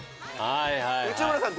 内村さん